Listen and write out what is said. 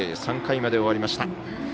３回まで終わりました。